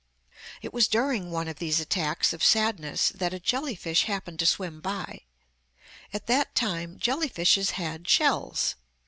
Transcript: It was during one of these attacks of sadness that a jelly fish happened to swim by. At that time jelly fishes had shells.